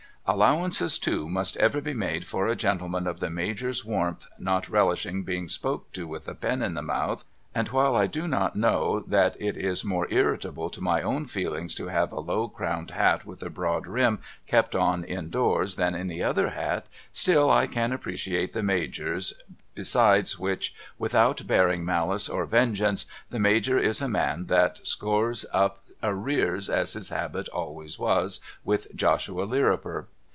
Allowances too must ever be made for a gentleman of the Major's warmth not relishing being spoke to with a pen in the mouth, and while I do not know that it is more irritable to my own feelings to have a low crowned hat with a broad brim kept on in doors than any other hat still I can appreciate the Major's, besides which without bearing malice or vengeance the Major is a man that scores up arrears as his habit always was with Joshua Lirriper.